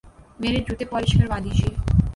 میرے جوتے پالش کروا دیجئے